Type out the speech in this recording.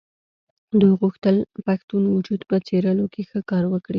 دوی غوښتل پښتون وجود په څېرلو کې ښه کار وکړي.